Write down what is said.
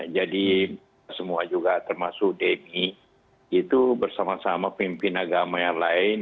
jadi semua juga termasuk demi itu bersama sama pemimpin agama yang lain